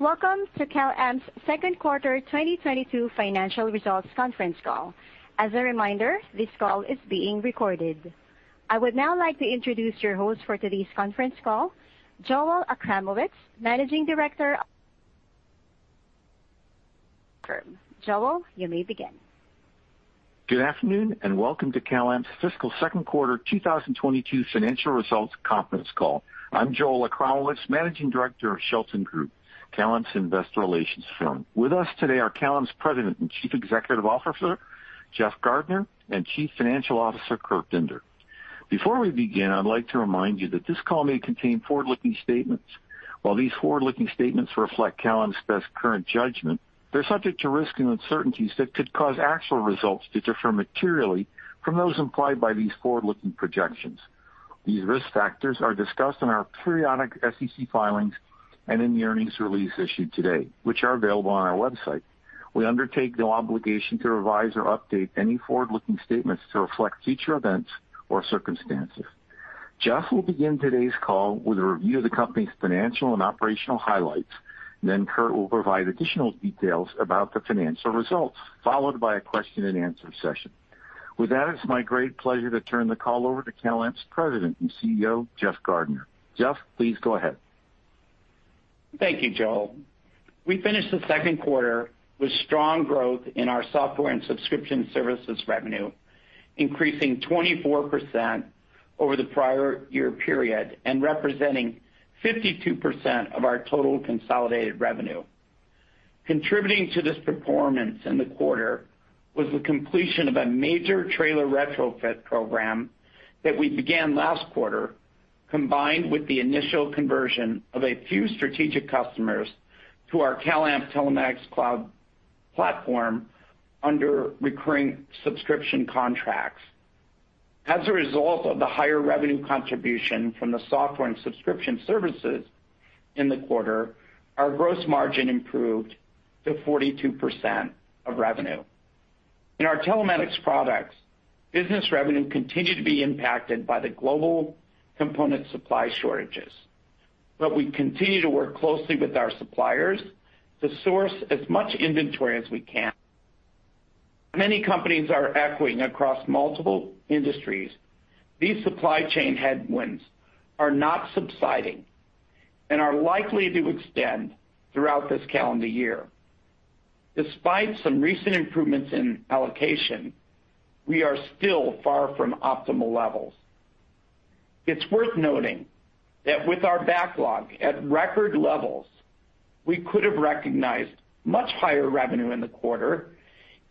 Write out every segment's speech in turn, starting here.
Welcome to CalAmp's second quarter 2022 financial results conference call. As a reminder, this call is being recorded. I would now like to introduce your host for today's conference call, Joel Achramowicz, Managing Director. Joel, you may begin. Good afternoon, welcome to CalAmp's fiscal second quarter 2022 financial results conference call. I'm Joel Achramowicz, Managing Director of Shelton Group, CalAmp's investor relations firm. With us today are CalAmp's President and Chief Executive Officer, Jeff Gardner, and Chief Financial Officer, Kurt Binder. Before we begin, I'd like to remind you that this call may contain forward-looking statements. While these forward-looking statements reflect CalAmp's best current judgment, they're subject to risks and uncertainties that could cause actual results to differ materially from those implied by these forward-looking projections. These risk factors are discussed in our periodic SEC filings and in the earnings release issued today, which are available on our website. We undertake no obligation to revise or update any forward-looking statements to reflect future events or circumstances. Jeff will begin today's call with a review of the company's financial and operational highlights. Kurt will provide additional details about the financial results, followed by a question-and-answer session. With that, it's my great pleasure to turn the call over to CalAmp's President and CEO, Jeff Gardner. Jeff, please go ahead. Thank you, Joel. We finished the second quarter with strong growth in our software and subscription services revenue, increasing 24% over the prior year period and representing 52% of our total consolidated revenue. Contributing to this performance in the quarter was the completion of a major trailer retrofit program that we began last quarter, combined with the initial conversion of a few strategic customers to our CalAmp Telematics Cloud platform under recurring subscription contracts. As a result of the higher revenue contribution from the software and subscription services in the quarter, our gross margin improved to 42% of revenue. In our telematics products, business revenue continued to be impacted by the global component supply shortages. We continue to work closely with our suppliers to source as much inventory as we can. Many companies are echoing across multiple industries, these supply chain headwinds are not subsiding and are likely to extend throughout this calendar year. Despite some recent improvements in allocation, we are still far from optimal levels. It's worth noting that with our backlog at record levels, we could have recognized much higher revenue in the quarter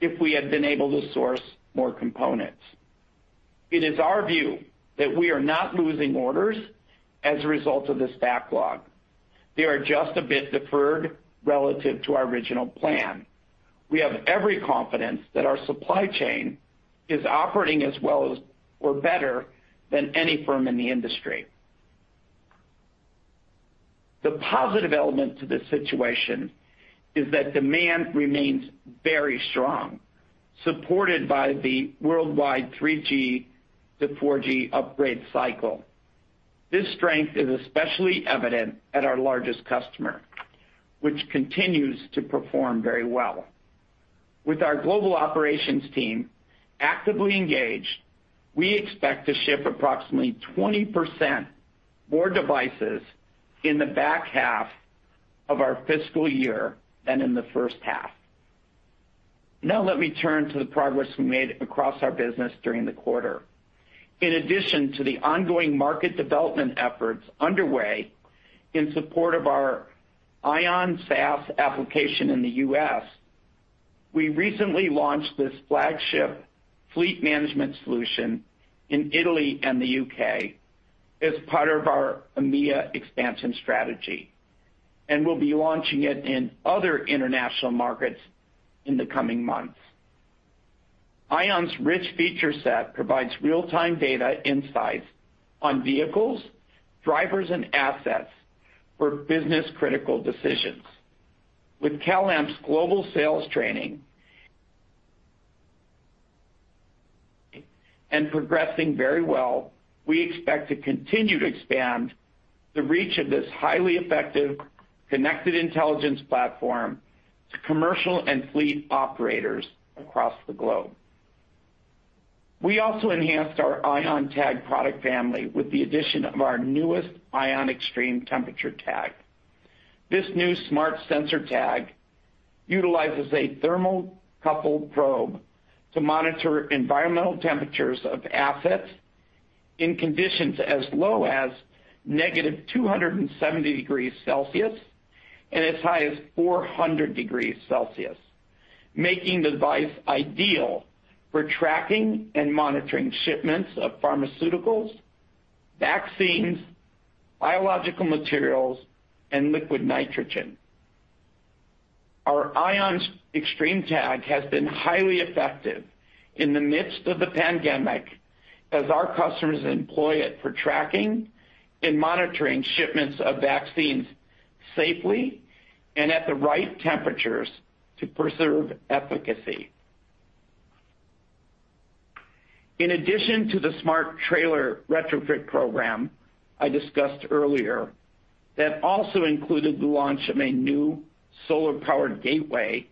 if we had been able to source more components. It is our view that we are not losing orders as a result of this backlog. They are just a bit deferred relative to our original plan. We have every confidence that our supply chain is operating as well as or better than any firm in the industry. The positive element to this situation is that demand remains very strong, supported by the worldwide 3G to 4G upgrade cycle. This strength is especially evident at our largest customer, which continues to perform very well. With our global operations team actively engaged, we expect to ship approximately 20% more devices in the back half of our fiscal year than in the first half. Let me turn to the progress we made across our business during the quarter. In addition to the ongoing market development efforts underway in support of our iOn SaaS application in the U.S., we recently launched this flagship fleet management solution in Italy and the U.K. as part of our EMEA expansion strategy. We'll be launching it in other international markets in the coming months. iOn's rich feature set provides real-time data insights on vehicles, drivers, and assets for business-critical decisions. With CalAmp's global sales training progressing very well, we expect to continue to expand the reach of this highly effective connected intelligence platform to commercial and fleet operators across the globe. We also enhanced our iOn Tag product family with the addition of our newest iOn Xtreme Temperature Tag. This new smart sensor tag utilizes a thermocouple probe to monitor environmental temperatures of assets in conditions as low as -270 degrees Celsius and as high as 400 degrees Celsius, making the device ideal for tracking and monitoring shipments of pharmaceuticals, vaccines, biological materials, and liquid nitrogen. Our iOn Xtreme Tag has been highly effective in the midst of the pandemic as our customers employ it for tracking and monitoring shipments of vaccines safely and at the right temperatures to preserve efficacy. In addition to the smart trailer retrofit program I discussed earlier, that also included the launch of a new solar-powered gateway.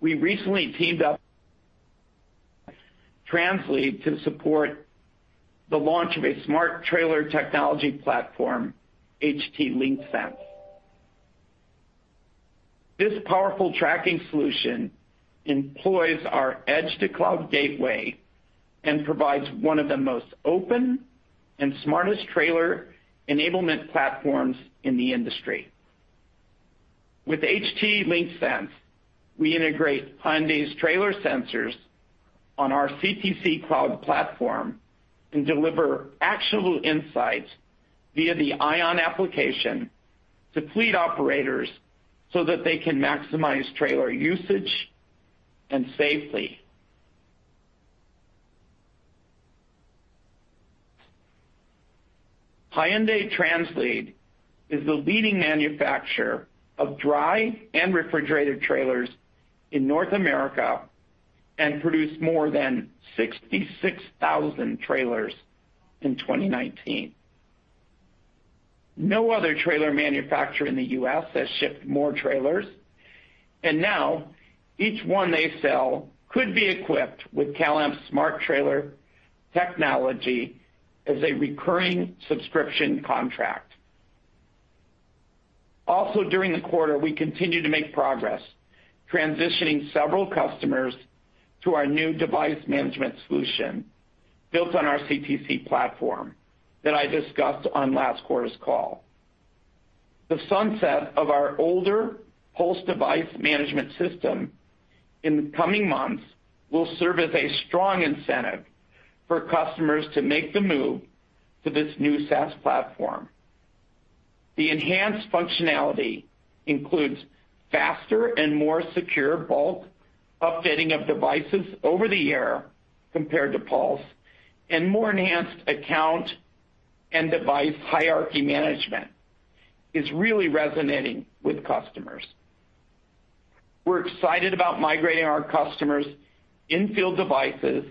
We recently teamed up, Translead, to support the launch of a smart trailer technology platform, HT LinkSense. This powerful tracking solution employs our edge-to-cloud gateway and provides one of the most open and smartest trailer enablement platforms in the industry. With HT LinkSense, we integrate Hyundai's trailer sensors on our CTC cloud platform and deliver actionable insights via the iOn application to fleet operators so that they can maximize trailer usage. Hyundai Translead is the leading manufacturer of dry and refrigerated trailers in North America and produced more than 66,000 trailers in 2019. No other trailer manufacturer in the U.S. has shipped more trailers, and now each one they sell could be equipped with CalAmp's smart trailer technology as a recurring subscription contract. During the quarter, we continued to make progress transitioning several customers to our new device management solution built on our CTC platform that I discussed on last quarter's call. The sunset of our older host device management system in the coming months will serve as a strong incentive for customers to make the move to this new SaaS platform. The enhanced functionality includes faster and more secure bulk updating of devices over the air compared to PULS, and more enhanced account and device hierarchy management is really resonating with customers. We're excited about migrating our customers' in-field devices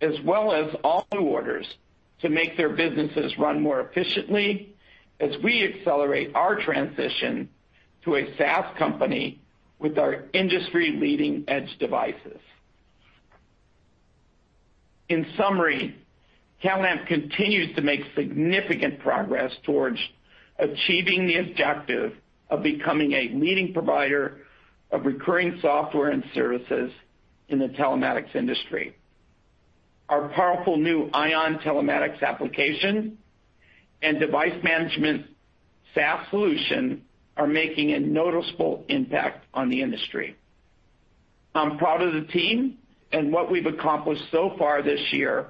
as well as all new orders to make their businesses run more efficiently as we accelerate our transition to a SaaS company with our industry-leading edge devices. In summary, CalAmp continues to make significant progress towards achieving the objective of becoming a leading provider of recurring software and services in the telematics industry. Our powerful new iOn telematics application and device management SaaS solution are making a noticeable impact on the industry. I'm proud of the team and what we've accomplished so far this year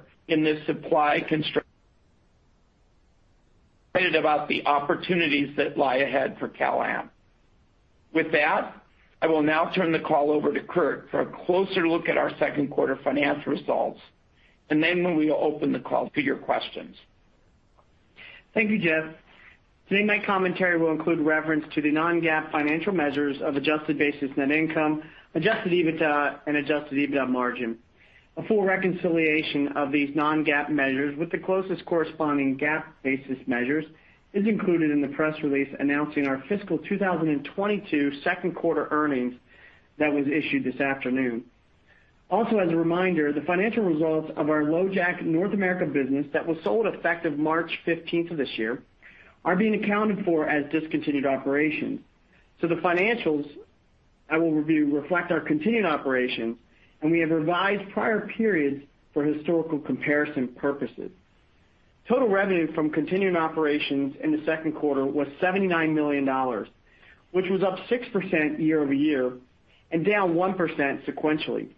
about the opportunities that lie ahead for CalAmp. With that, I will now turn the call over to Kurt for a closer look at our second quarter financial results, and then we will open the call to your questions. Thank you, Jeff. Today, my commentary will include reference to the non-GAAP financial measures of adjusted basis net income, Adjusted EBITDA, and Adjusted EBITDA margin. A full reconciliation of these non-GAAP measures with the closest corresponding GAAP basis measures is included in the press release announcing our fiscal 2022 second quarter earnings that was issued this afternoon. As a reminder, the financial results of our LoJack North America business that was sold effective March 15th of this year are being accounted for as discontinued operations. The financials I will review reflect our continuing operations, and we have revised prior periods for historical comparison purposes. Total revenue from continuing operations in the second quarter was $79 million, which was up 6% year-over-year and down 1% sequentially.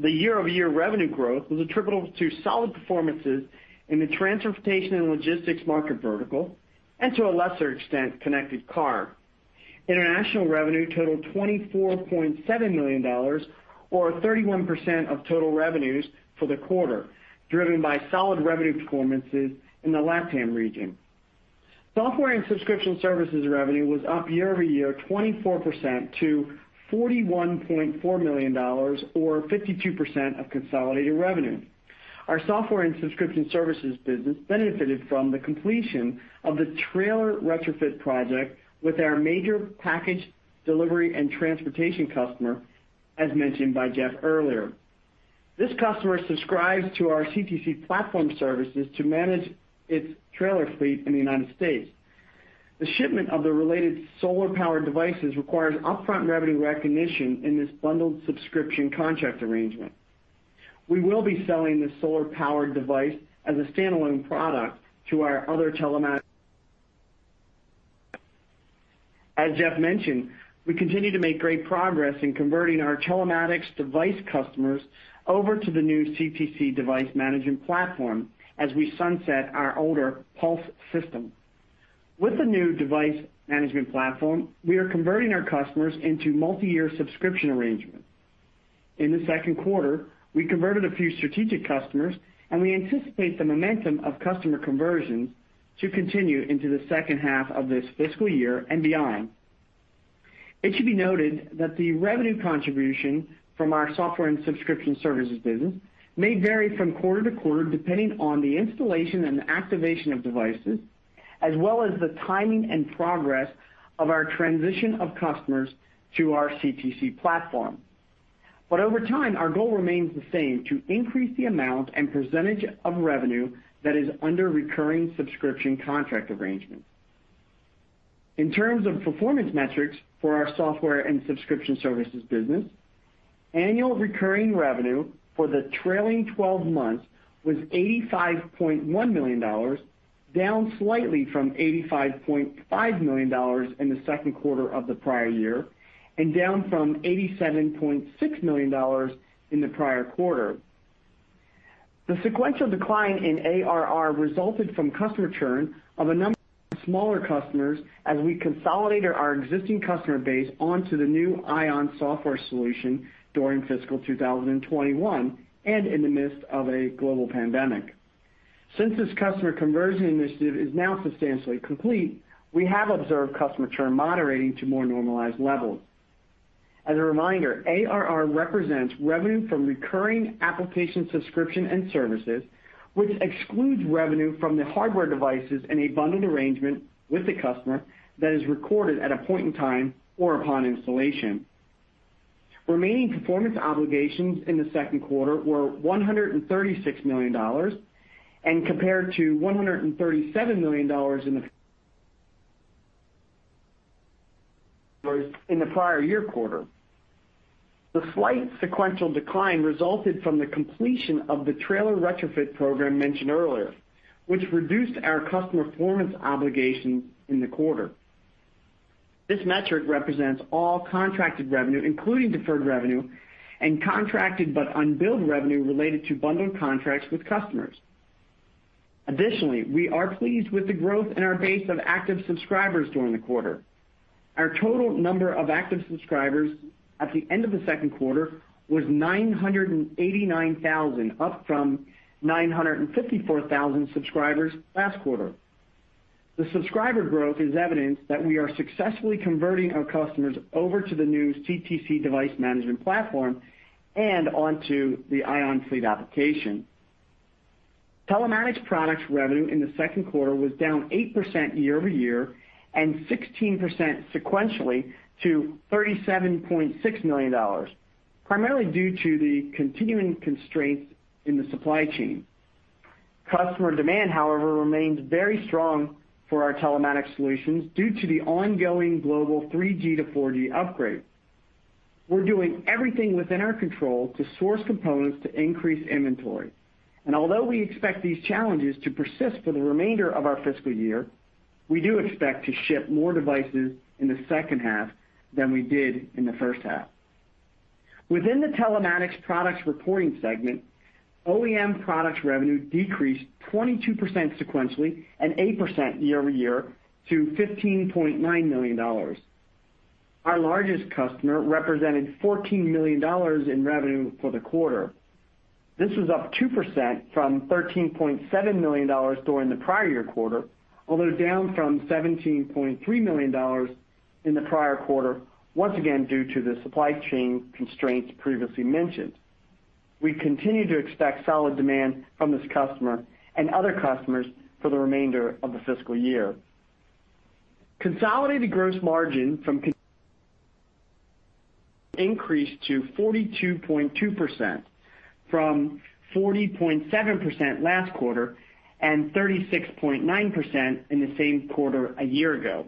The year-over-year revenue growth was attributable to solid performances in the transportation and logistics market vertical and, to a lesser extent, connected car. International revenue totaled $24.7 million, or 31% of total revenues for the quarter, driven by solid revenue performances in the LATAM region. Software and subscription services revenue was up year-over-year 24% to $41.4 million, or 52% of consolidated revenue. Our software and subscription services business benefited from the completion of the trailer retrofit project with our major package delivery and transportation customer, as mentioned by Jeff earlier. This customer subscribes to our CTC platform services to manage its trailer fleet in the United States. The shipment of the related solar-powered devices requires upfront revenue recognition in this bundled subscription contract arrangement. We will be selling the solar-powered device as a standalone product to our other telemat--. As Jeff mentioned, we continue to make great progress in converting our telematics device customers over to the new CTC device management platform as we sunset our older PULS system. With the new device management platform, we are converting our customers into multiyear subscription arrangements. In the second quarter, we converted a few strategic customers, and we anticipate the momentum of customer conversion to continue into the second half of this fiscal year and beyond. It should be noted that the revenue contribution from our software and subscription services business may vary from quarter to quarter depending on the installation and activation of devices, as well as the timing and progress of our transition of customers to our CTC platform. Over time, our goal remains the same, to increase the amount and percentage of revenue that is under recurring subscription contract arrangements. In terms of performance metrics for our Software and Subscription Services business, Annual Recurring Revenue for the trailing 12 months was $85.1 million, down slightly from $85.5 million in the second quarter of the prior year and down from $87.6 million in the prior quarter. The sequential decline in ARR resulted from customer churn of a number of smaller customers as we consolidated our existing customer base onto the new iOn software solution during fiscal 2021 and in the midst of a global pandemic. Since this customer conversion initiative is now substantially complete, we have observed customer churn moderating to more normalized levels. As a reminder, ARR represents revenue from recurring application subscription and services, which excludes revenue from the hardware devices in a bundled arrangement with the customer that is recorded at a point in time or upon installation. Remaining performance obligations in the second quarter were $136 million and compared to $137 million in the prior year quarter. The slight sequential decline resulted from the completion of the trailer retrofit program mentioned earlier, which reduced our customer performance obligations in the quarter. This metric represents all contracted revenue, including deferred revenue and contracted, but unbilled revenue related to bundled contracts with customers. We are pleased with the growth in our base of active subscribers during the quarter. Our total number of active subscribers at the end of the second quarter was 989,000, up from 954,000 subscribers last quarter. The subscriber growth is evidence that we are successfully converting our customers over to the new CTC device management platform and onto the iOn fleet application. Telematics products revenue in the second quarter was down 8% year-over-year and 16% sequentially to $37.6 million, primarily due to the continuing constraints in the supply chain. Customer demand, however, remains very strong for our telematics solutions due to the ongoing global 3G to 4G upgrade. We're doing everything within our control to source components to increase inventory. Although we expect these challenges to persist for the remainder of our fiscal year, we do expect to ship more devices in the second half than we did in the first half. Within the telematics products reporting segment, OEM products revenue decreased 22% sequentially and 8% year-over-year to $15.9 million. Our largest customer represented $14 million in revenue for the quarter. This was up 2% from $13.7 million during the prior year quarter, although down from $17.3 million in the prior quarter, once again due to the supply chain constraints previously mentioned. We continue to expect solid demand from this customer and other customers for the remainder of the fiscal year. Consolidated gross margin from increased to 42.2% from 40.7% last quarter and 36.9% in the same quarter a year ago.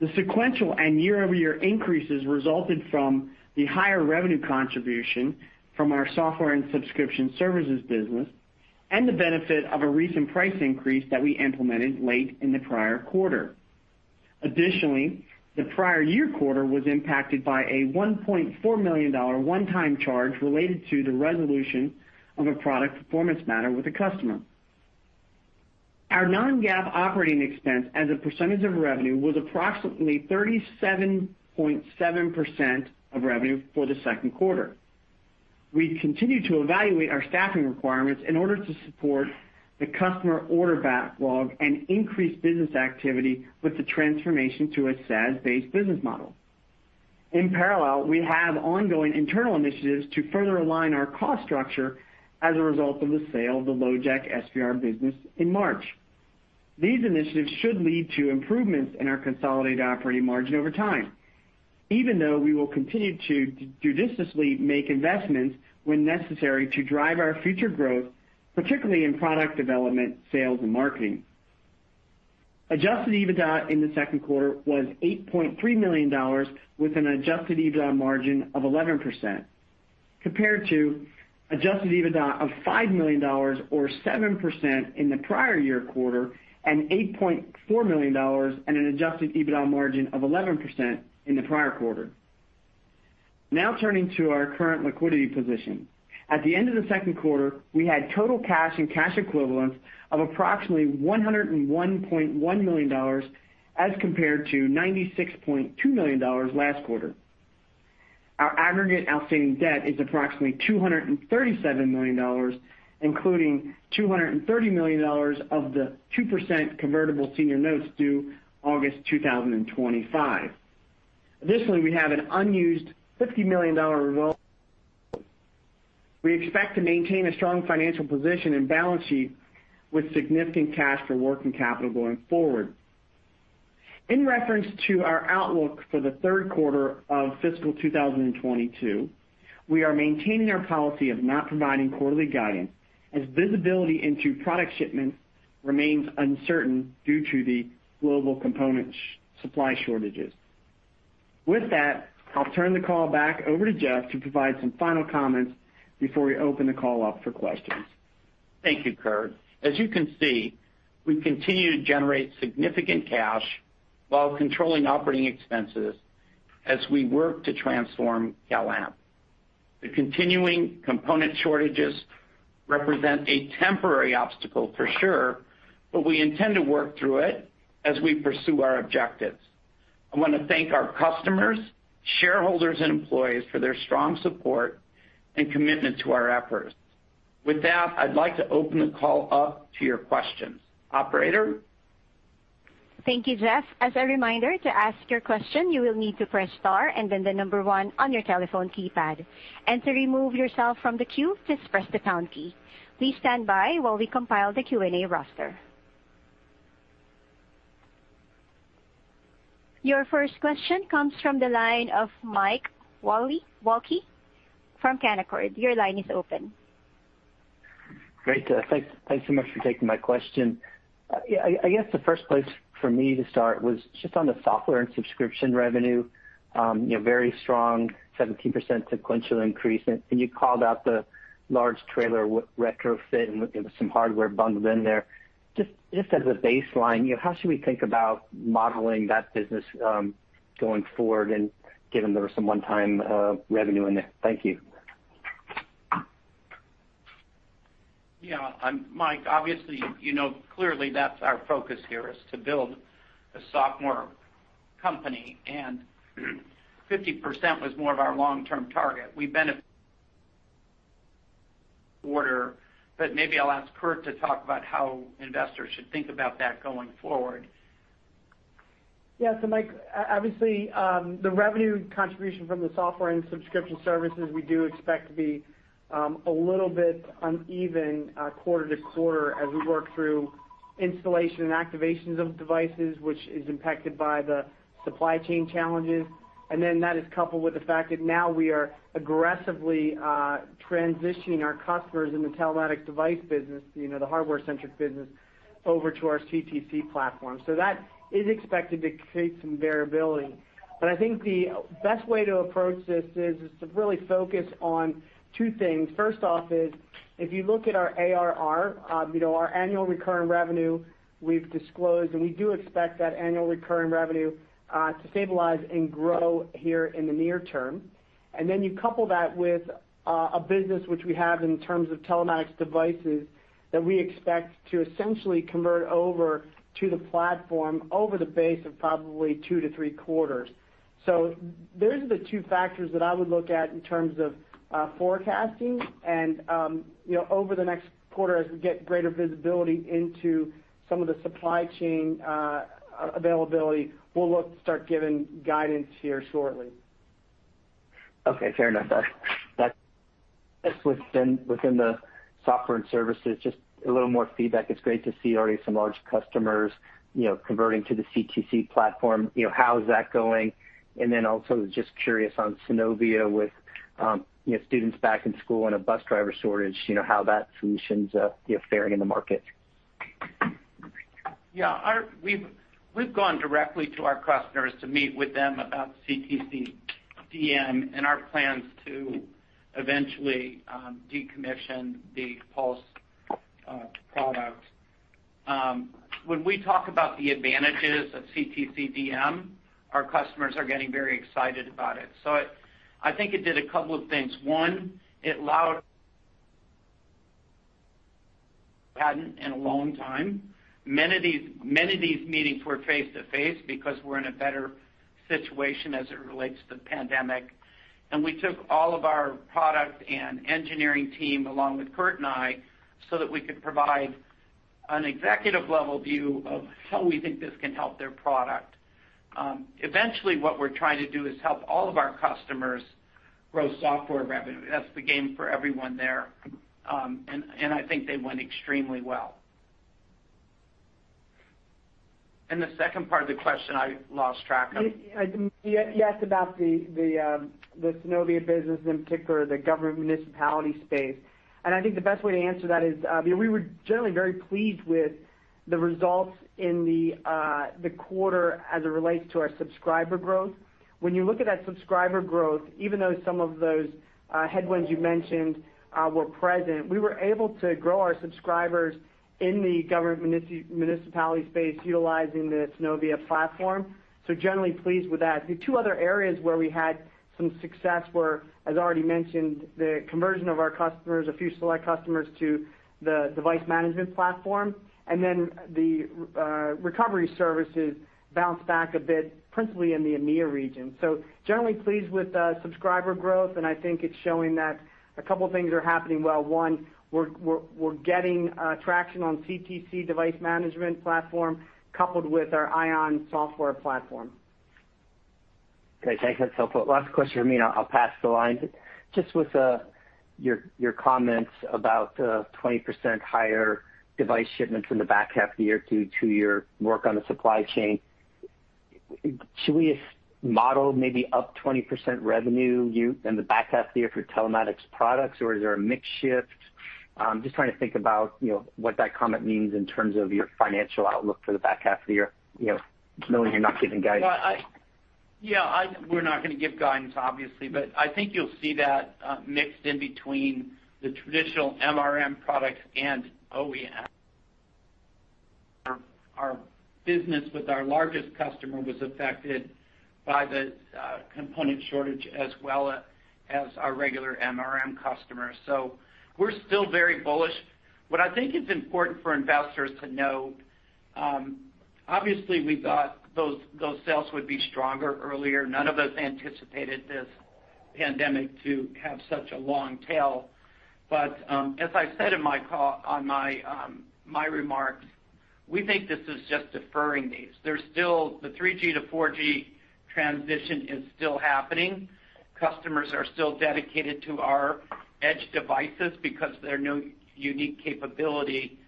The sequential and year-over-year increases resulted from the higher revenue contribution from our software and subscription services business and the benefit of a recent price increase that we implemented late in the prior quarter. Additionally, the prior year quarter was impacted by a $1.4 million one-time charge related to the resolution of a product performance matter with a customer. Our non-GAAP operating expense as a percentage of revenue was approximately 37.7% of revenue for the second quarter. We continue to evaluate our staffing requirements in order to support the customer order backlog and increase business activity with the transformation to a SaaS-based business model. In parallel, we have ongoing internal initiatives to further align our cost structure as a result of the sale of the LoJack SVR business in March. These initiatives should lead to improvements in our consolidated operating margin over time, even though we will continue to judiciously make investments when necessary to drive our future growth, particularly in product development, sales, and marketing. Adjusted EBITDA in the second quarter was $8.3 million, with an Adjusted EBITDA margin of 11%, compared to Adjusted EBITDA of $5 million or 7% in the prior year quarter and $8.4 million and an Adjusted EBITDA margin of 11% in the prior quarter. Now turning to our current liquidity position. At the end of the second quarter, we had total cash and cash equivalents of approximately $101.1 million as compared to $96.2 million last quarter. Aggregate outstanding debt is approximately $237 million, including $230 million of the 2% convertible senior notes due August 2025. Additionally, we have an unused $50 million revolving. We expect to maintain a strong financial position and balance sheet with significant cash for working capital going forward. In reference to our outlook for the third quarter of fiscal 2022, we are maintaining our policy of not providing quarterly guidance as visibility into product shipments remains uncertain due to the global component supply shortages. With that, I'll turn the call back over to Jeff to provide some final comments before we open the call up for questions. Thank you, Kurt. As you can see, we continue to generate significant cash while controlling operating expenses as we work to transform CalAmp. The continuing component shortages represent a temporary obstacle for sure, but we intend to work through it as we pursue our objectives. I want to thank our customers, shareholders, and employees for their strong support and commitment to our efforts. With that, I'd like to open the call up to your questions. Operator? Thank you, Jeff. As a reminder, to ask your question, you will need to press star and then the number one on your telephone keypad. To remove yourself from the queue, just press the pound key. Please stand by while we compile the Q and A roster. Your first question comes from the line of Mike Walkley from Canaccord. Your line is open. Great. Thanks so much for taking my question. I guess the first place for me to start was just on the software and subscription revenue. Very strong, 17% sequential increase. You called out the large trailer retrofit and some hardware bundled in there. Just as a baseline, how should we think about modeling that business going forward and given there was some one-time revenue in there? Thank you. Yeah. Mike, obviously, you know clearly that's our focus here, is to build a software company, 50% was more of our long-term target. We quarter. Maybe I'll ask Kurt to talk about how investors should think about that going forward. Yeah. Mike, obviously, the revenue contribution from the software and subscription services, we do expect to be a little bit uneven quarter to quarter as we work through installation and activations of devices, which is impacted by the supply chain challenges. That is coupled with the fact that now we are aggressively transitioning our customers in the telematics device business, the hardware-centric business, over to our CTC platform. That is expected to create some variability. I think the best way to approach this is to really focus on two things. First off is, if you look at our ARR, our annual recurring revenue, we've disclosed, and we do expect that annual recurring revenue to stabilize and grow here in the near term. You couple that with a business which we have in terms of telematics devices that we expect to essentially convert over to the platform over the base of probably 2-3 quarters. Those are the two factors that I would look at in terms of forecasting. Over the next quarter, as we get greater visibility into some of the supply chain availability, we'll look to start giving guidance here shortly. Okay, fair enough. That's within the software and services. Just a little more feedback. It's great to see already some large customers converting to the CTC platform. How is that going? Then also, just curious on Synovia with students back in school and a bus driver shortage, how that solution's faring in the market. We've gone directly to our customers to meet with them about CTC DM and our plans to eventually decommission the PULS product. When we talk about the advantages of CTC DM, our customers are getting very excited about it. I think it did a couple of things. One, hadn't in a long time, many of these meetings were face-to-face because we're in a better situation as it relates to the pandemic. We took all of our product and engineering team, along with Kurt and I, so that we could provide an executive-level view of how we think this can help their product. Eventually, what we're trying to do is help all of our customers grow software revenue. That's the game for everyone there. I think they went extremely well. The second part of the question, I lost track of. You asked about the Synovia business, in particular the government municipality space. I think the best way to answer that is, we were generally very pleased with the results in the quarter as it relates to our subscriber growth. When you look at that subscriber growth, even though some of those headwinds you mentioned were present, we were able to grow our subscribers in the government municipality space utilizing the Synovia platform. Generally pleased with that. The two other areas where we had some success were, as already mentioned, the conversion of our customers, a few select customers, to the device management platform. The recovery services bounced back a bit, principally in the EMEA region. Generally pleased with subscriber growth, and I think it's showing that a couple of things are happening well. One, we're getting traction on CTC device management platform coupled with our iOn software platform. Okay. Thanks. That's helpful. Last question for me, I'll pass the line. Just with your comments about the 20% higher device shipments in the back half of the year due to your work on the supply chain, should we model maybe up 20% revenue in the back half of the year for telematics products, or is there a mix shift? I'm just trying to think about what that comment means in terms of your financial outlook for the back half of the year, knowing you're not giving guidance. Yeah. We're not going to give guidance, obviously. I think you'll see that mixed in between the traditional MRM products and OEM. Our business with our largest customer was affected by the component shortage as well as our regular MRM customers. We're still very bullish. What I think is important for investors to know, obviously, we thought those sales would be stronger earlier. None of us anticipated this pandemic to have such a long tail. As I said on my remarks, we think this is just deferring these. The 3G to 4G transition is still happening. Customers are still dedicated to our Edge devices because they're no unique capability.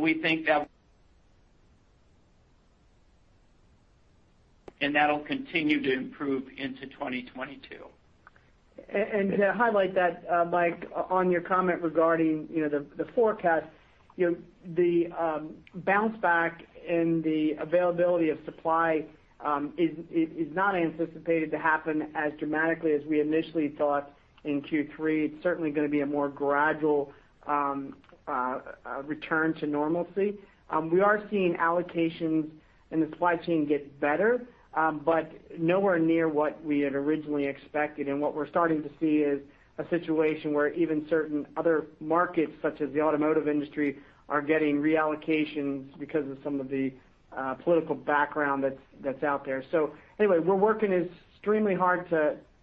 We think that'll continue to improve into 2022. To highlight that, Mike, on your comment regarding the forecast, the bounce back and the availability of supply is not anticipated to happen as dramatically as we initially thought in Q3. It's certainly going to be a more gradual return to normalcy. We are seeing allocations in the supply chain get better, but nowhere near what we had originally expected. What we're starting to see is a situation where even certain other markets, such as the automotive industry, are getting reallocations because of some of the political background that's out there. Anyway, we're working extremely hard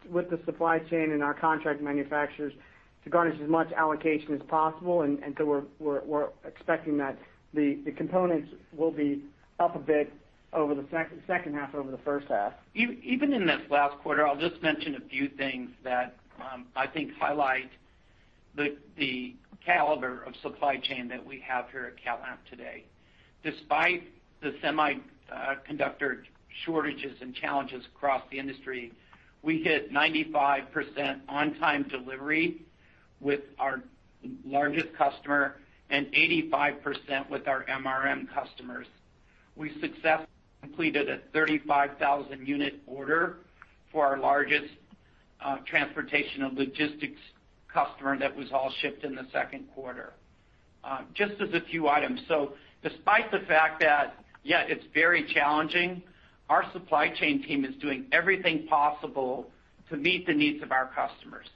with the supply chain and our contract manufacturers to garner as much allocation as possible, and so we're expecting that the components will be up a bit over the second half over the first half. Even in this last quarter, I'll just mention a few things that I think highlight the caliber of supply chain that we have here at CalAmp today. Despite the semiconductor shortages and challenges across the industry, we hit 95% on-time delivery with our largest customer and 85% with our MRM customers. We successfully completed a 35,000-unit order for our largest transportation and logistics customer that was all shipped in the second quarter, just as a few items. Despite the fact that, yeah, it's very challenging, our supply chain team is doing everything possible to meet the needs of our customers.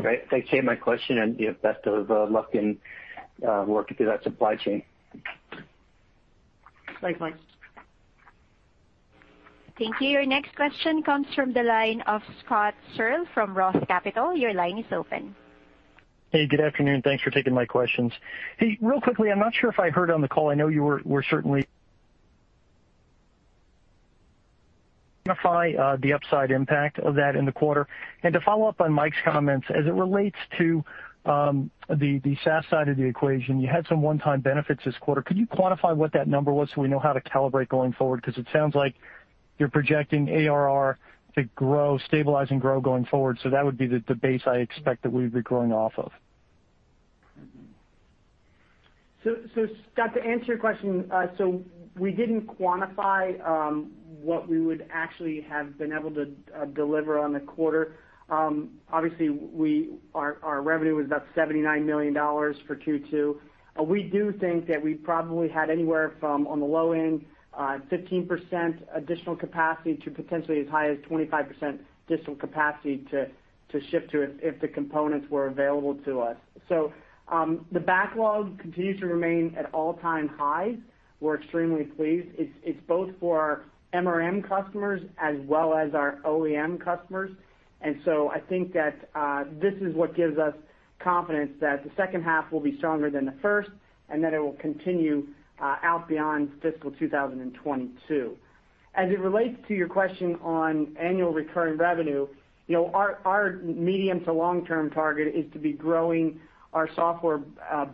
Great. Thanks. That's my question. Best of luck in working through that supply chain. Thanks, Mike. Thank you. Your next question comes from the line of Scott Searle from Roth Capital. Your line is open. Hey, good afternoon. Thanks for taking my questions. Hey, real quickly, I'm not sure if I heard on the call, I know you were certainly quantify the upside impact of that in the quarter. To follow up on Mike's comments, as it relates to the SaaS side of the equation, you had some one-time benefits this quarter. Could you quantify what that number was so we know how to calibrate going forward? It sounds like you're projecting ARR to stabilize and grow going forward. That would be the base I expect that we'd be growing off of. Scott, to answer your question, we didn't quantify what we would actually have been able to deliver on the quarter. Obviously, our revenue was about $79 million for Q2. We do think that we probably had anywhere from, on the low end, 15% additional capacity to potentially as high as 25% additional capacity to ship to if the components were available to us. The backlog continues to remain at all-time highs. We're extremely pleased. It's both for our MRM customers as well as our OEM customers. I think that this is what gives us confidence that the second half will be stronger than the first, and that it will continue out beyond fiscal 2022. As it relates to your question on annual recurring revenue, our medium to long-term target is to be growing our software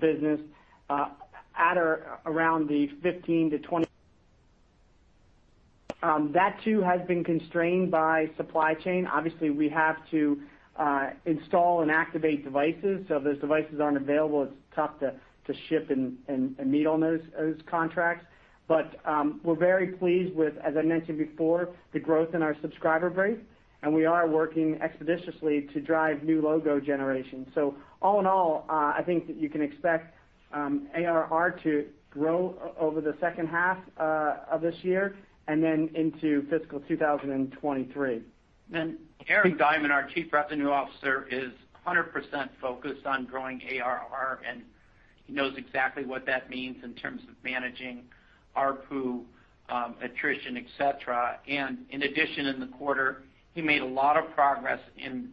business at around the 15%-20%. That too has been constrained by supply chain. Obviously, we have to install and activate devices. If those devices aren't available, it's tough to ship and meet on those contracts. We're very pleased with, as I mentioned before, the growth in our subscriber base, and we are working expeditiously to drive new logo generation. All in all, I think that you can expect ARR to grow over the second half of this year and then into fiscal 2023. Arym Diamond, our Chief Revenue Officer, is 100% focused on growing ARR, and he knows exactly what that means in terms of managing ARPU attrition, et cetera. In addition, in the quarter, he made a lot of progress in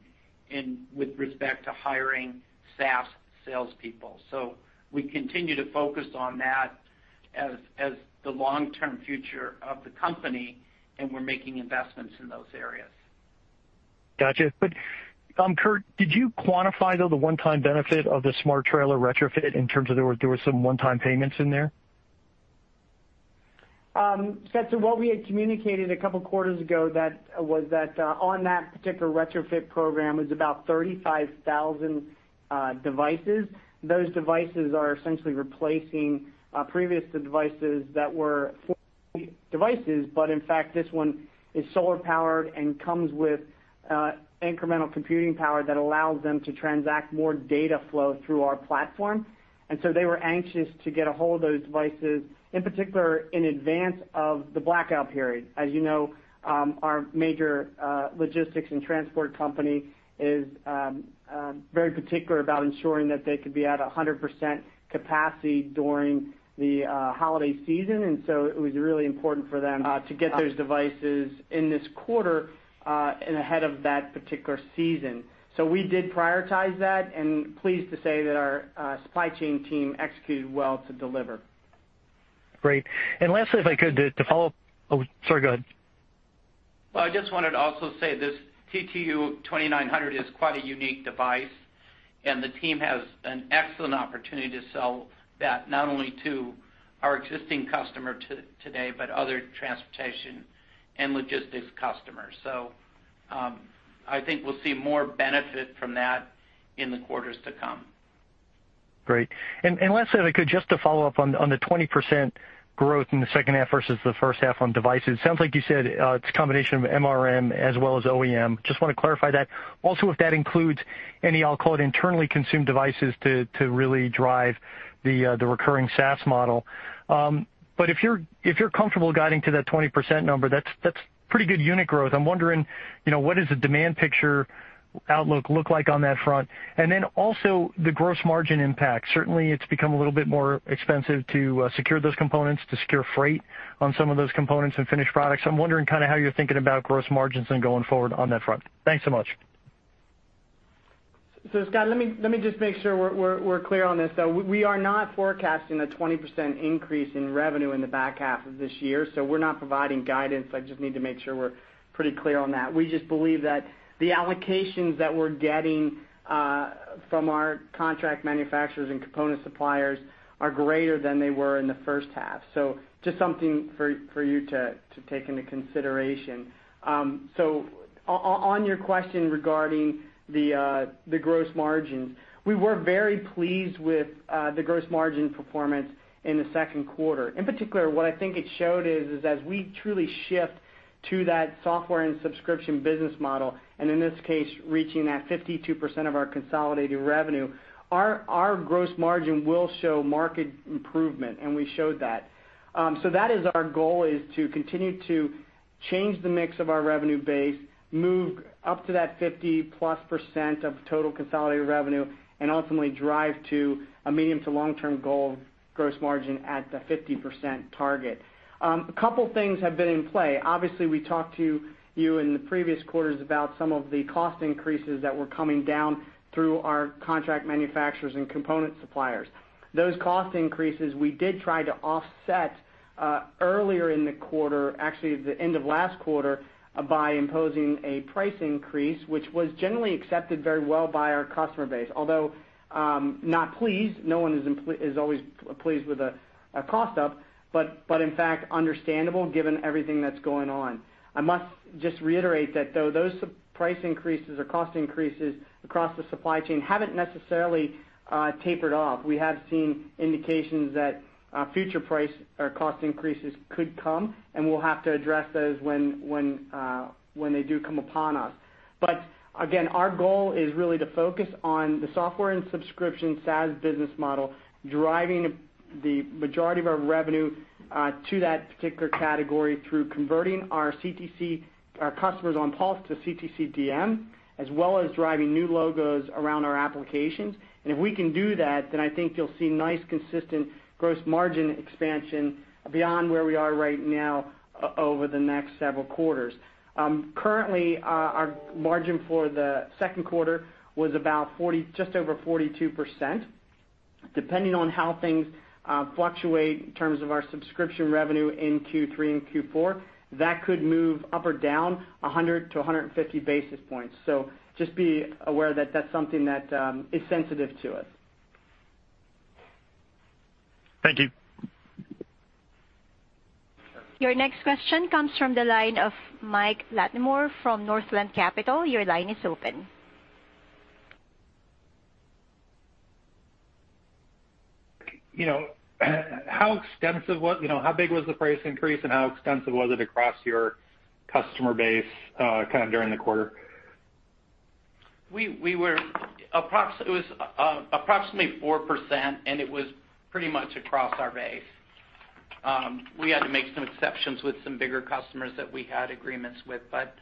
with respect to hiring SaaS salespeople. We continue to focus on that as the long-term future of the company, and we're making investments in those areas. Got you. Kurt, did you quantify though the one-time benefit of the Smart Trailer retrofit in terms of there were some one-time payments in there? What we had communicated a couple of quarters ago was that on that particular retrofit program was about 35,000 devices. Those devices are essentially replacing previous devices that were devices, but in fact, this one is solar powered and comes with incremental computing power that allows them to transact more data flow through our platform. They were anxious to get a hold of those devices, in particular, in advance of the blackout period. As you know, our major logistics and transport company is very particular about ensuring that they could be at 100% capacity during the holiday season. It was really important for them to get those devices in this quarter and ahead of that particular season. We did prioritize that and pleased to say that our supply chain team executed well to deliver. Great. Lastly, if I could, to follow up. Sorry, go ahead. Well, I just wanted to also say this TTU 2900 is quite a unique device. The team has an excellent opportunity to sell that, not only to our existing customer today, but other transportation and logistics customers. I think we'll see more benefit from that in the quarters to come. Great. Lastly, if I could, just to follow up on the 20% growth in the second half versus the first half on devices. It sounds like you said, it's a combination of MRM as well as OEM. Just want to clarify that. Also, if that includes any, I'll call it, internally consumed devices to really drive the recurring SaaS model. If you're comfortable guiding to that 20% number, that's pretty good unit growth. I'm wondering what does the demand picture outlook look like on that front? Also the gross margin impact. Certainly, it's become a little bit more expensive to secure those components, to secure freight on some of those components and finished products. I'm wondering how you're thinking about gross margins going forward on that front. Thanks so much. Scott, let me just make sure we're clear on this, though. We are not forecasting a 20% increase in revenue in the back half of this year, so we're not providing guidance. I just need to make sure we're pretty clear on that. We just believe that the allocations that we're getting from our contract manufacturers and component suppliers are greater than they were in the first half. Just something for you to take into consideration. On your question regarding the gross margins, we were very pleased with the gross margin performance in the second quarter. In particular, what I think it showed is, as we truly shift to that software and subscription business model, and in this case, reaching that 52% of our consolidated revenue, our gross margin will show market improvement, and we showed that. That is our goal, is to continue to change the mix of our revenue base, move up to that 50-plus% of total consolidated revenue, and ultimately drive to a medium to long-term goal gross margin at the 50% target. A couple things have been in play. Obviously, we talked to you in the previous quarters about some of the cost increases that were coming down through our contract manufacturers and component suppliers. Those cost increases, we did try to offset earlier in the quarter, actually at the end of last quarter, by imposing a price increase, which was generally accepted very well by our customer base. Although, not pleased, no one is always pleased with a cost up, but in fact, understandable given everything that's going on. I must just reiterate that though, those price increases or cost increases across the supply chain haven't necessarily tapered off. We have seen indications that future price or cost increases could come, and we'll have to address those when they do come upon us. Again, our goal is really to focus on the software and subscription SaaS business model, driving the majority of our revenue to that particular category through converting our customers on PULS to CTC DM, as well as driving new logos around our applications. If we can do that, then I think you'll see nice, consistent gross margin expansion beyond where we are right now over the next several quarters. Currently, our margin for the second quarter was just over 42%. Depending on how things fluctuate in terms of our subscription revenue in Q3 and Q4, that could move up or down 100-150 basis points. Just be aware that that's something that is sensitive to us. Thank you. Your next question comes from the line of Mike Latimore from Northland Capital. Your line is open. How big was the price increase and how extensive was it across your customer base kind of during the quarter? It was approximately 4%, and it was pretty much across our base. We had to make some exceptions with some bigger customers that we had agreements with, but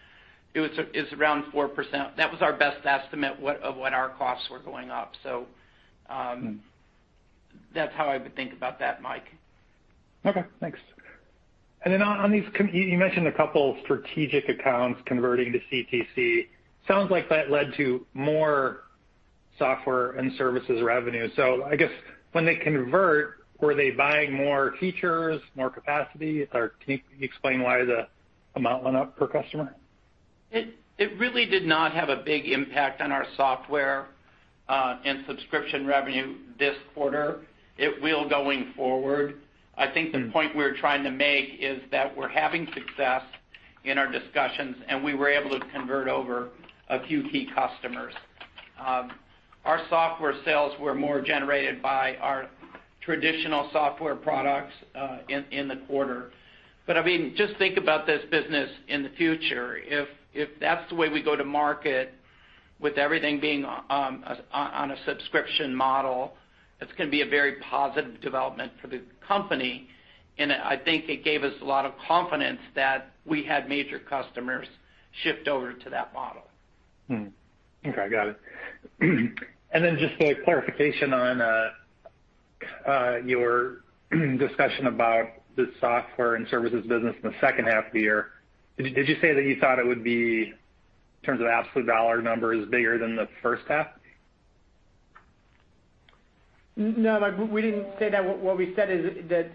it's around 4%. That was our best estimate of what our costs were going up. That's how I would think about that, Mike. Okay, thanks. On these, you mentioned a couple strategic accounts converting to CTC. Sounds like that led to more software and services revenue. I guess when they convert, were they buying more features, more capacity, or can you explain why the amount went up per customer? It really did not have a big impact on our software and subscription revenue this quarter. It will going forward. I think the point we're trying to make is that we're having success in our discussions, and we were able to convert over a few key customers. Our software sales were more generated by our traditional software products in the quarter. Just think about this business in the future. If that's the way we go to market with everything being on a subscription model, it's going to be a very positive development for the company. I think it gave us a lot of confidence that we had major customers shift over to that model. Okay, got it. Just a clarification on your discussion about the software and services business in the second half of the year. Did you say that you thought it would be, in terms of absolute dollar numbers, bigger than the first half? Mike, we didn't say that. What we said is that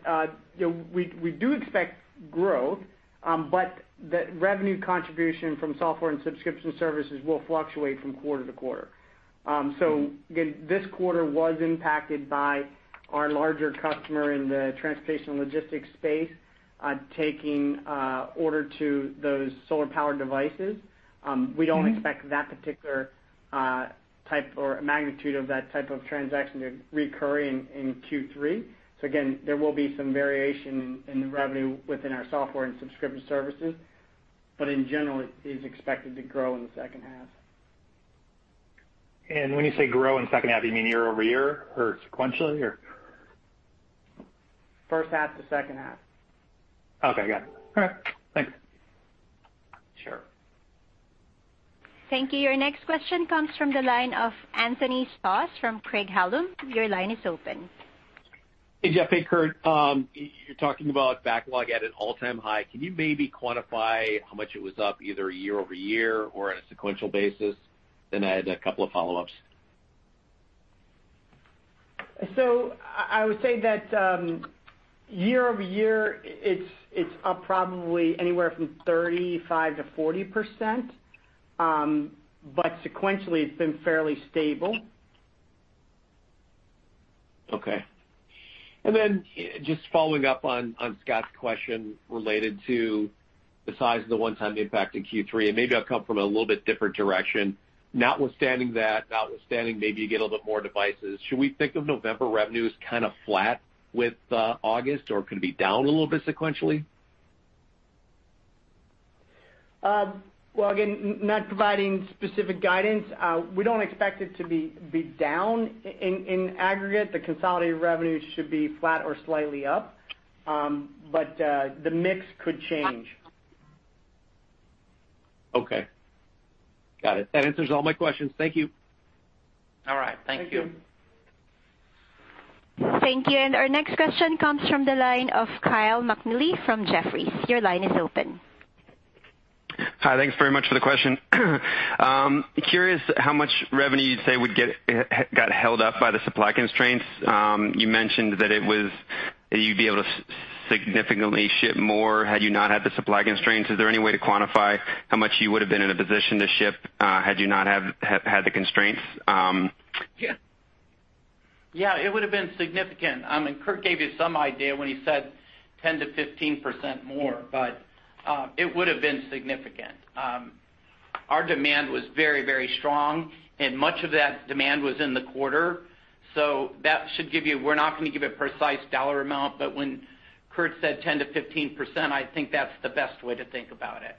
we do expect growth, but the revenue contribution from software and subscription services will fluctuate from quarter to quarter. Again, this quarter was impacted by our larger customer in the transportation and logistics space taking order to those solar-powered devices. We don't expect that particular type or magnitude of that type of transaction to recur in Q3. Again, there will be some variation in the revenue within our software and subscription services, but in general, it is expected to grow in the second half. When you say grow in second half, you mean year-over-year or sequentially or? First half to second half. Okay, got it. All right, thanks. Sure. Thank you. Your next question comes from the line of Anthony Stoss from Craig-Hallum. Your line is open. Hey, Jeff. Hey, Kurt. You're talking about backlog at an all-time high. Can you maybe quantify how much it was up either year-over-year or on a sequential basis? I had a couple of follow-ups. I would say that year-over-year, it's up probably anywhere from 35%-40%, but sequentially, it's been fairly stable. Okay. Just following up on Scott's question related to the size of the one-time impact in Q3, and maybe I'll come from a little bit different direction. Notwithstanding that, notwithstanding maybe you get a little bit more devices, should we think of November revenue as kind of flat with August, or could it be down a little bit sequentially? Well, again, not providing specific guidance. We don't expect it to be down in aggregate. The consolidated revenue should be flat or slightly up. The mix could change. Okay. Got it. That answers all my questions. Thank you. All right. Thank you. Thank you. Thank you. Our next question comes from the line of Kyle McNealy from Jefferies. Your line is open. Hi, thanks very much for the question. Curious how much revenue you'd say got held up by the supply constraints? You mentioned that you'd be able to significantly ship more had you not had the supply constraints. Is there any way to quantify how much you would've been in a position to ship had you not had the constraints? Yeah, it would've been significant. Kurt gave you some idea when he said 10%-15% more, but it would've been significant. Our demand was very, very strong, and much of that demand was in the quarter. We're not going to give a one precise dollar amount, but when Kurt said 10%-15%, I think that's the best way to think about it.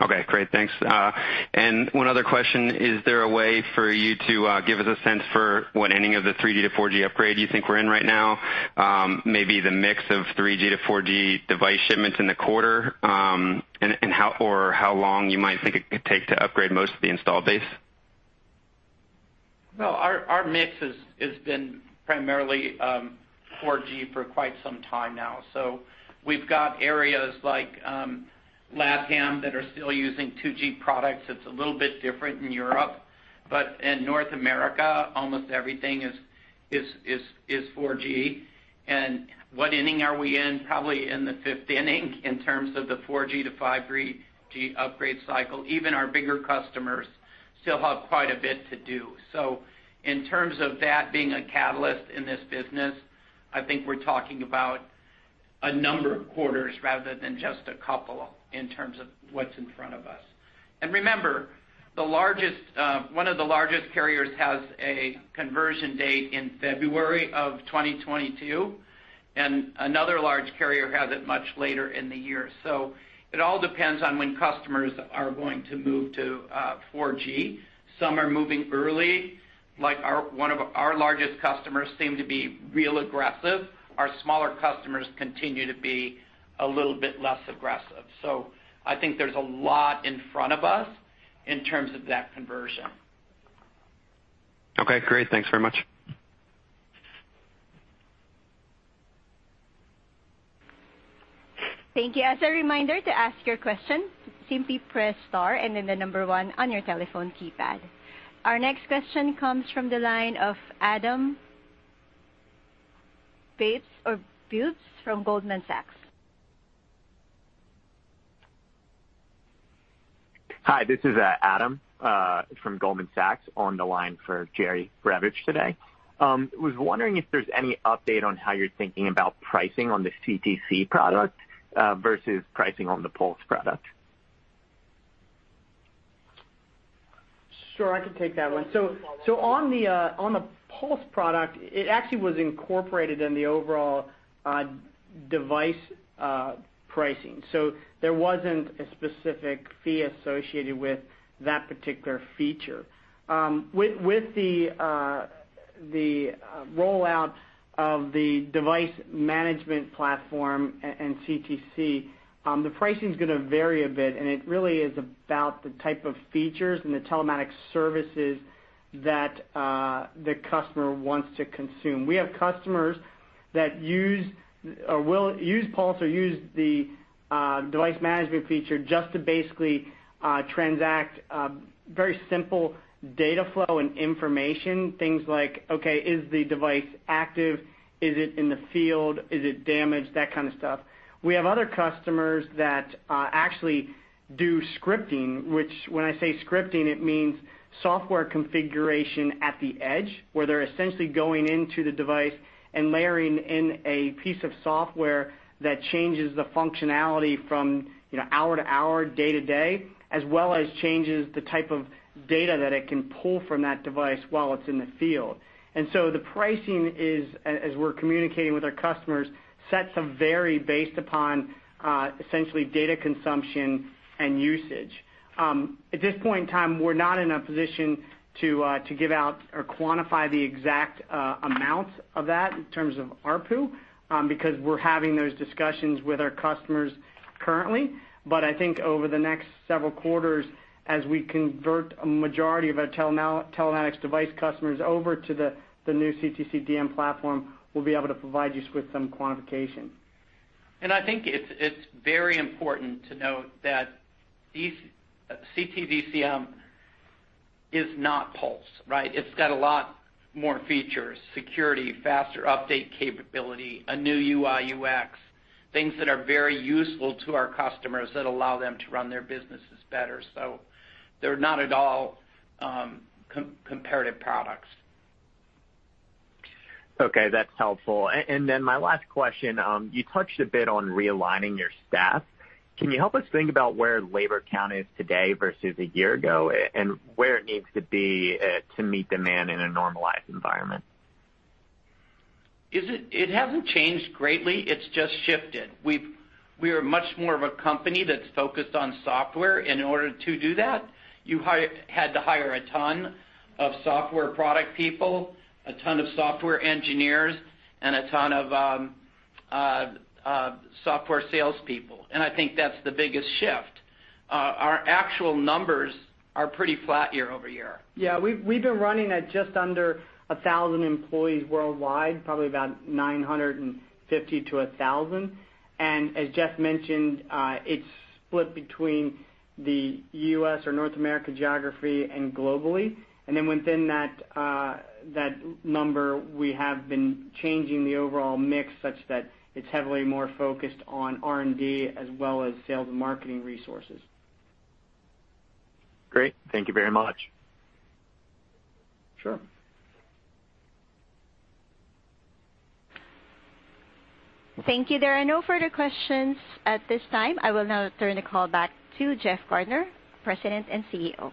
Okay, great. Thanks. One other question, is there a way for you to give us a sense for what inning of the 3G to 4G upgrade you think we're in right now? Maybe the mix of 3G to 4G device shipments in the quarter, or how long you might think it could take to upgrade most of the installed base? No, our mix has been primarily 4G for quite some time now. We've got areas like LATAM that are still using 2G products. It's a little bit different in Europe, but in North America, almost everything is 4G. What inning are we in? Probably in the 5th inning in terms of the 4G to 5G upgrade cycle. Even our bigger customers still have quite a bit to do. In terms of that being a catalyst in this business, I think we're talking about a number of quarters rather than just a couple in terms of what's in front of us. Remember, one of the largest carriers has a conversion date in February of 2022, and another large carrier has it much later in the year. It all depends on when customers are going to move to 4G. Some are moving early, like one of our largest customers seem to be real aggressive. Our smaller customers continue to be a little bit less aggressive. I think there's a lot in front of us in terms of that conversion. Okay, great. Thanks very much. Thank you. As a reminder, to ask your question, simply press star and then one on your telephone keypad. Our next question comes from the line of Adam Bubes or Bubes from Goldman Sachs. Hi, this is Adam from Goldman Sachs on the line for Jerry Revich today. I was wondering if there's any update on how you're thinking about pricing on the CTC product versus pricing on the PULS product? Sure. I can take that one. On the PULS product, it actually was incorporated in the overall device pricing. There wasn't a specific fee associated with that particular feature. With the rollout of the device management platform and CTC, the pricing's going to vary a bit, and it really is about the type of features and the telematics services that the customer wants to consume. We have customers that will use PULS or use the device management feature just to basically transact very simple data flow and information. Things like, okay, is the device active? Is it in the field? Is it damaged? That kind of stuff. We have other customers that actually do scripting, which when I say scripting, it means software configuration at the edge, where they're essentially going into the device and layering in a piece of software that changes the functionality from hour to hour, day to day, as well as changes the type of data that it can pull from that device while it's in the field. The pricing is, as we're communicating with our customers, tends to vary based upon essentially data consumption and usage. At this point in time, we're not in a position to give out or quantify the exact amounts of that in terms of ARPU because we're having those discussions with our customers currently. I think over the next several quarters, as we convert a majority of our telematics device customers over to the new CTC DM platform, we'll be able to provide you with some quantification. I think it's very important to note that CTC DM is not PULS, right? It's got a lot more features, security, faster update capability, a new UI, UX, things that are very useful to our customers that allow them to run their businesses better. They're not at all comparative products. Okay, that's helpful. My last question, you touched a bit on realigning your staff. Can you help us think about where labor count is today versus a year ago and where it needs to be to meet demand in a normalized environment? It hasn't changed greatly. It's just shifted. We are much more of a company that's focused on software. In order to do that, you had to hire a ton of software product people, a ton of software engineers, and a ton of software salespeople. I think that's the biggest shift. Our actual numbers are pretty flat year-over-year. Yeah, we've been running at just under 1,000 employees worldwide, probably about 950 to 1,000. As Jeff mentioned, it's split between the U.S. or North America geography and globally. Within that number, we have been changing the overall mix such that it's heavily more focused on R&D as well as sales and marketing resources. Great. Thank you very much. Sure. Thank you. There are no further questions at this time. I will now turn the call back to Jeff Gardner, President and CEO.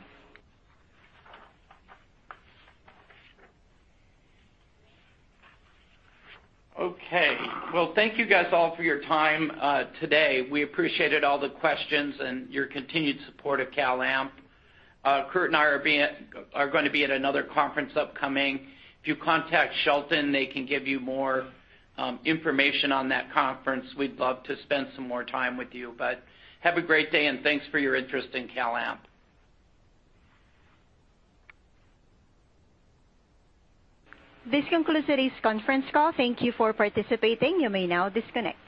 Well, thank you guys all for your time today. We appreciated all the questions and your continued support of CalAmp. Kurt and I are going to be at another conference upcoming. If you contact Shelton, they can give you more information on that conference. We'd love to spend some more time with you. Have a great day, and thanks for your interest in CalAmp. This concludes today's conference call. Thank you for participating. You may now disconnect.